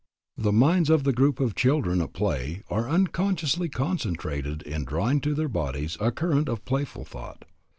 "The minds of the group of children at play are unconsciously concentrated in drawing to their bodies a current of playful thought.